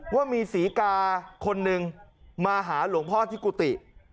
ว่ามีศรีกาคนนึงมาหาหลวงพ่อที่กุฏิ